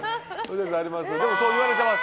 そう言われてます。